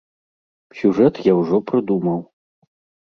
Сюжэт я ўжо прыдумаў.